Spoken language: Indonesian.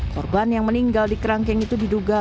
korban yang meninggal di kerangkeng itu didapatkan oleh pemerintah